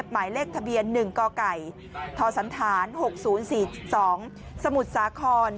หมายเลขทะเบียน๑กไก่ทศ๖๐๔๒สมุทรสาคร